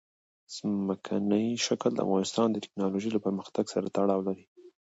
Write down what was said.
ځمکنی شکل د افغانستان د تکنالوژۍ له پرمختګ سره تړاو لري.